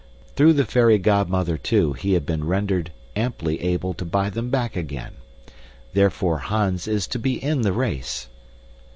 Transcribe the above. Through the fairy godmother, too, he had been rendered amply able to buy them back again. Therefore Hans is to be in the race.